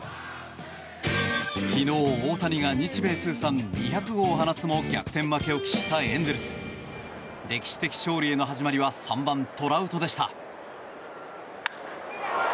昨日、大谷が日米通算２００号を放つも逆転負けを喫したエンゼルス。歴史的勝利への始まりは３番、トラウトでした。